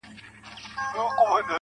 يار ژوند او هغه سره خنـديږي,